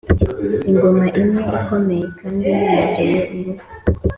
ingoma imwe ikomeye kandi yuzuye uruhu,